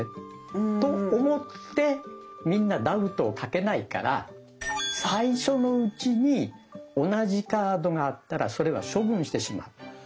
うん。と思ってみんなダウトをかけないから最初のうちに同じカードがあったらそれは処分してしまう。